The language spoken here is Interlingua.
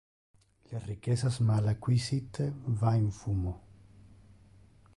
Le ricchessas mal acquisite va in fumo.